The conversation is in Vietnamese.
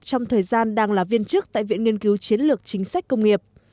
trong thời gian đang là viên chức tại viện nghiên cứu chiến lược chính sách công nghiệp